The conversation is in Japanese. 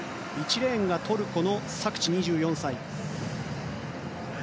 １レーンがトルコのサクチ２４歳。